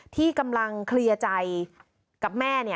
ที่กำลังเคลียร์ใจกับแม่